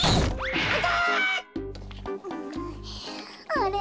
あれ？